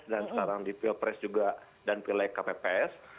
dan sekarang dipilpres juga dan pilih kpps